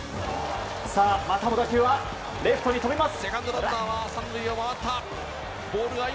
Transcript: またも打球はレフトに飛びます。